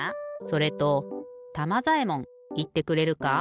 それとたまざえもんいってくれるか？